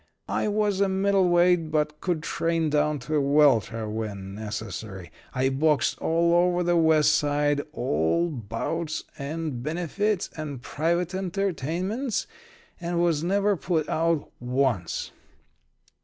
I was a middle weight, but could train down to a welter when necessary. I boxed all over the West Side at bouts and benefits and private entertainments, and was never put out once.